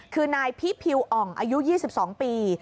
คือนายพิพิวอ่องอายุ๒๒ปี